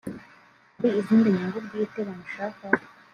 hari izindi nyungu bwite bamushakaho